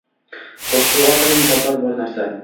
Qoʻrquv orqali muhabbat bor narsa.